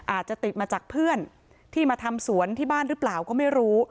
อาจจะติดมาจากเพื่อนที่มาทำสวนที่บ้านหรือเปล่าก็ไม่รู้